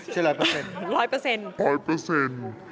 เชื่อ๑๐๐เปอร์เซ็นต์๑๐๐เปอร์เซ็นต์๑๐๐เปอร์เซ็นต์